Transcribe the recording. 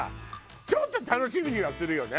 ちょっと楽しみにはするよね。